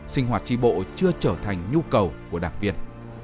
sinh hoạt tri bộ chưa trở thành nhu cầu của đảng viên